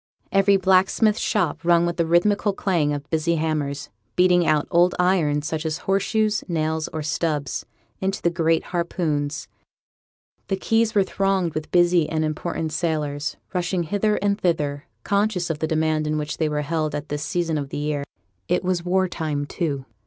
Every blacksmith's shop rung with the rhythmical clang of busy hammers, beating out old iron, such as horseshoes, nails or stubs, into the great harpoons; the quays were thronged with busy and important sailors, rushing hither and thither, conscious of the demand in which they were held at this season of the year. It was war time, too.